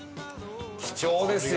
貴重ですよ。